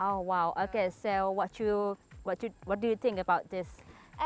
oh wow oke jadi apa pendapat anda tentang ini